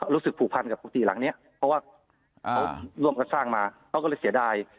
รู้สึกผูกพันกับกุฏิหลังนี้เพราะว่าเขาร่วมกันสร้างมาเขาก็เลยเสียดาย